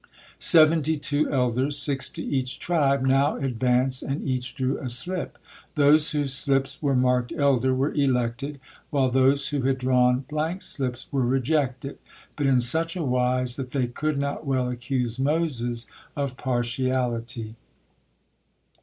Seventy two elders, six to each tribe, now advance and each drew a slip. Those whose slips were marked "elder" were elected, while those who had drawn blank slips were rejected, but in such a wise that they could not well accuse Moses of partiality.